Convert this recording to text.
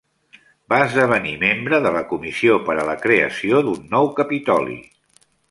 Va esdevenir membre de la comissió per a la creació d'un nou capitoli.